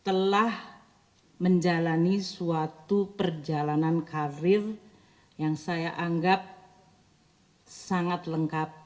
telah menjalani suatu perjalanan karir yang saya anggap sangat lengkap